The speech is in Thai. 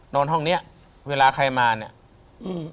นอนห้องเนี่ยเวลาใครมาเนี่ย